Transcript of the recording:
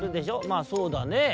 「まあそうだねぇ」。